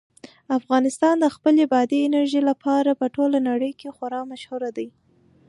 افغانستان د خپلې بادي انرژي لپاره په ټوله نړۍ کې خورا مشهور دی.